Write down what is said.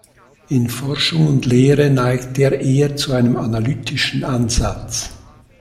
In Forschung und Lehre neigt er eher zu einem analytischen Ansatz.